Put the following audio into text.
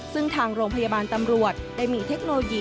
ซึ่งทางโรงพยาบาลตำรวจได้มีเทคโนโลยี